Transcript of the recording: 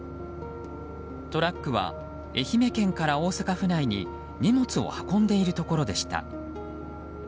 トラックは愛媛県から大阪府内に荷物を運んでいるところでした。